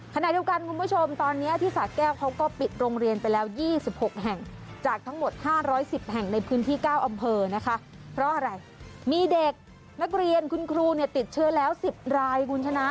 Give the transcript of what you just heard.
ขณะเดียวกันคุณผู้ชมตอนนี้ที่สาแก้วเขาก็ปิดโรงเรียนไปแล้ว๒๖แห่งจากทั้งหมด๕๑๐แห่งในพื้นที่๙อำเภอนะคะเพราะอะไรมีเด็กนักเรียนคุณครูเนี่ยติดเชื้อแล้ว๑๐รายคุณชนะ